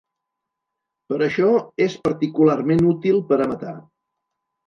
Per això, és particularment útil per a matar.